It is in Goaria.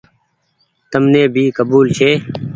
تم ني ڀي ڪبول ڇي۔